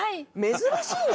珍しいね。